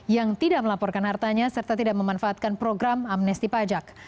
yang tidak melaporkan hartanya serta tidak memanfaatkan program amnesti pajak